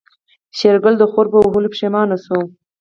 شېرګل د خور په وهلو پښېمانه شو.